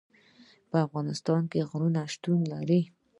په افغانستان کې غرونه شتون لري.